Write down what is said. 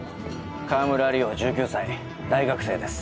川村梨央１９歳大学生です。